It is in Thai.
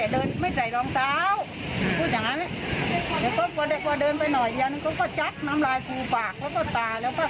ได้รับผลได้มันสู้ทั้งนั้นแหละ